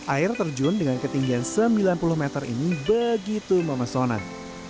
air terjun dengan ketinggian sembilan puluh meter ini begitu memesonan